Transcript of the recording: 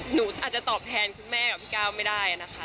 หนูอาจจะตอบแทนคุณแม่กับพี่ก้าวไม่ได้นะคะ